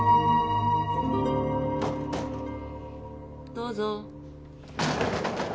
どうぞ。